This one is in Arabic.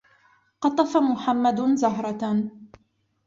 قَطَفَ مُحَمَّدٌ زَهْرَةً.